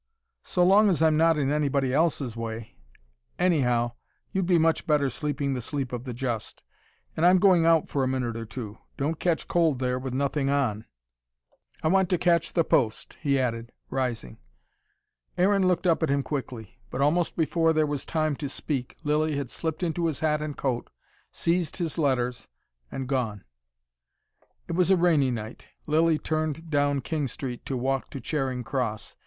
"So long as I'm not in anybody else's way Anyhow, you'd be much better sleeping the sleep of the just. And I'm going out for a minute or two. Don't catch cold there with nothing on "I want to catch the post," he added, rising. Aaron looked up at him quickly. But almost before there was time to speak, Lilly had slipped into his hat and coat, seized his letters, and gone. It was a rainy night. Lilly turned down King Street to walk to Charing Cross.